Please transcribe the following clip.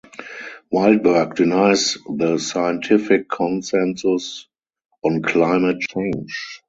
Wildberg denies the scientific consensus on climate change.